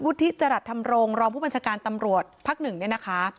วุฒิจรรย์ธรรมโรงรอบผู้บัญชการตำรวจพักหนึ่งเนี่ยนะคะ